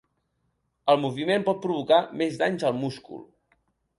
El moviment pot provocar més danys al múscul.